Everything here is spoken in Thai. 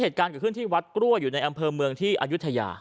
เหตุการณ์เกิดขึ้นที่วัดกล้วยอยู่ในอำเภอเมืองที่อายุทยา